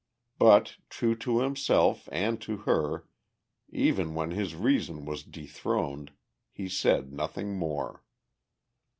But, true to himself and to her, even when his reason was dethroned, he said nothing more.